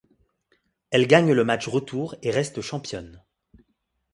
Elles gagnent le match retour et restent championnes.